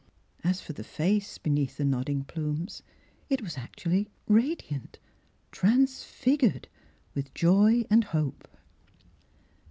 As for the face beneath the nod ding plumes, it was actually radiant — transfigured — with joy and hope.